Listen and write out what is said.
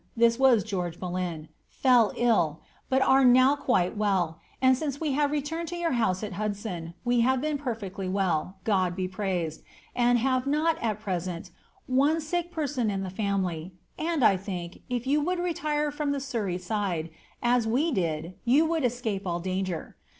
— [this tea* George BoUyn,] — fell ill, but are now qoiM well, and since we have returned to your house at Hundsdon* we have been perfectly well, God be praised, and have not, at present, one sick person in tbt family, and, I think, if you would retire from the Surrey side, as we did, you would escape all danger.